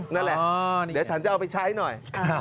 นั่นแหละเดี๋ยวฉันจะเอาไปใช้หน่อย